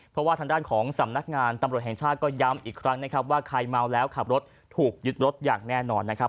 เพราะว่าทางด้านของสำนักงานตำรวจแห่งชาติก็ย้ำอีกครั้งนะครับว่าใครเมาแล้วขับรถถูกยึดรถอย่างแน่นอนนะครับ